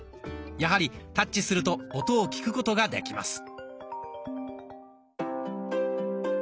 やはりタッチすると音を聞くことができます。